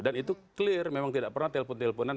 dan itu clear memang tidak pernah telpon telponan